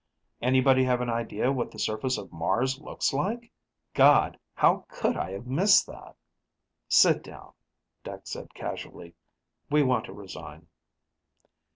Anybody have an idea what the surface of Mars looks like? God, how could I have missed that?" "Sit down," Dex said casually, "we want to resign."